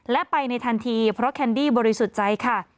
และไปในทันทีเพราะแคนดี้บริสุทธิ์ใจค่ะ